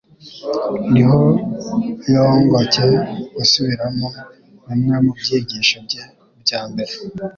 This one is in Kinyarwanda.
niho yongcye gusubiramo bimwe mu byigisho bye bya mbere.